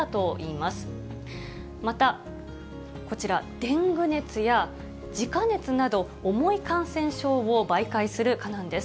またこちら、デング熱やジカ熱など、重い感染症を媒介する蚊なんです。